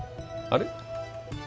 あれ？